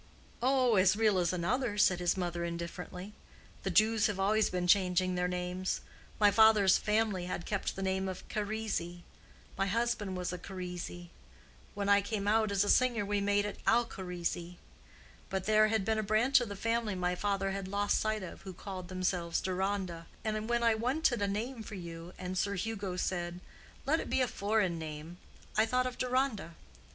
"Oh, as real as another," said his mother, indifferently. "The Jews have always been changing their names. My father's family had kept the name of Charisi: my husband was a Charisi. When I came out as a singer, we made it Alcharisi. But there had been a branch of the family my father had lost sight of who called themselves Deronda, and when I wanted a name for you, and Sir Hugo said, 'Let it be a foreign name,' I thought of Deronda.